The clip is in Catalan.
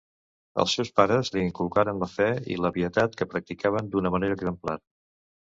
Els seus pares li inculcaren la fe i la pietat que practicaven d’una manera exemplar.